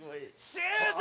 シュート！